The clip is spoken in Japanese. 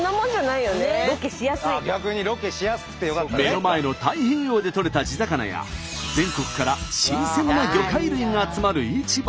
目の前の太平洋でとれた地魚や全国から新鮮な魚介類が集まる市場。